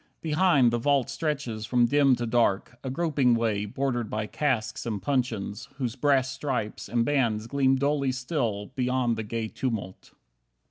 Behind, the vault Stretches from dim to dark, a groping way Bordered by casks and puncheons, whose brass stripes And bands gleam dully still, beyond the gay tumult.